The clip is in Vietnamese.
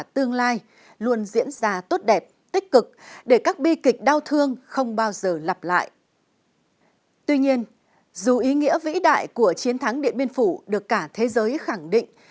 tuy nhiên dù ý nghĩa vĩ đại của chiến thắng điện biên phủ được cả thế giới khẳng định